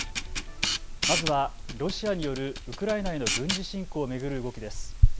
まずはロシアによるウクライナへの軍事侵攻を巡る動きです。